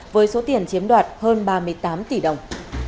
với số tiền chiếm đoạt hơn ba mươi tám tỷ đồng